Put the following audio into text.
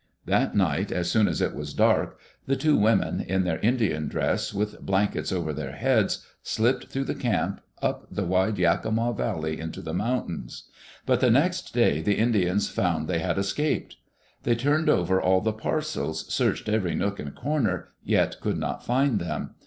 That night, as soon as it was dark, the two women, in their Indian dress, with blankets over their heads, slipped through the camp, up the wide Yakima Valley into the mountains. But the next day the Indians found they had escaped 1 They turned over all the parcels, searched every nook and corner, yet could not find them.